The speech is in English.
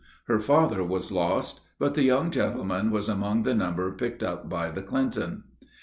Her father was lost, but the young gentleman was among the number picked up by the Clinton.